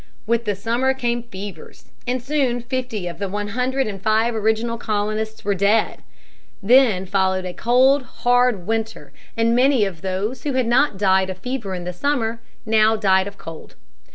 With the summer came fevers, and soon fifty of the one hundred and five original colonists were dead. Then followed a cold, hard winter, and many of those who had not died of fever in the summer, now died of cold.